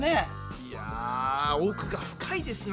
いや奥が深いですな。